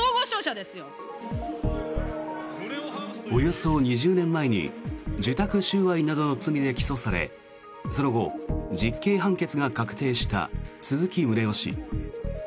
およそ２０年前に受託収賄などの罪で起訴されその後、実刑判決が確定した鈴木宗男氏。